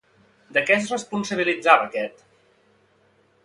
De què es responsabilitzava aquest?